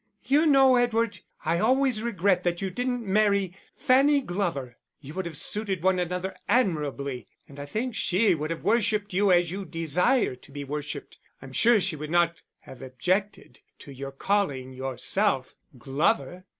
"You know, Edward, I always regret that you didn't marry Fanny Glover. You would have suited one another admirably. And I think she would have worshipped you as you desire to be worshipped. I'm sure she would not have objected to your calling yourself Glover."